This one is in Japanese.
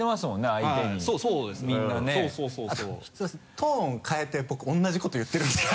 トーンを変えて僕同じこと言ってるんですか？